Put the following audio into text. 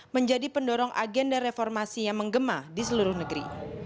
menjadi pendorong agenda reformasi yang menggema di seluruh negeri